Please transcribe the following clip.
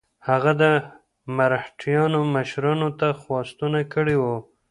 هغه د مرهټیانو مشرانو ته خواستونه کړي وه.